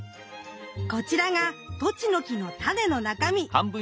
こちらがトチノキのタネの中身。